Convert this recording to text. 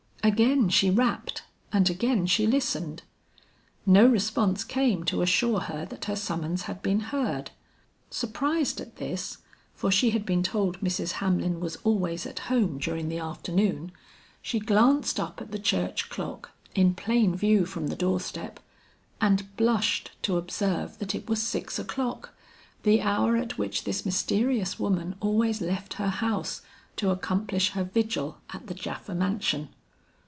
Again she rapped and again she listened. No response came to assure her that her summons had been heard. Surprised at this, for she had been told Mrs. Hamlin was always at home during the afternoon, she glanced up at the church clock in plain view from the doorstep, and blushed to observe that it was six o'clock, the hour at which this mysterious woman always left her house, to accomplish her vigil at the Japha mansion.